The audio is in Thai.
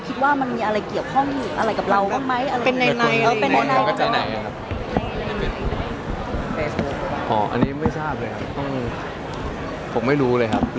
ขออนุญาตย้อนไปที่ภาวกำภาพ